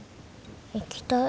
行きたい。